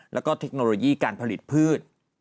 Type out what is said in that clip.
แล้วก็เทคโนโลยีการผลิตพืช